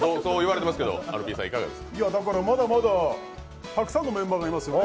まだまだたくさんのメンバーがいますよね。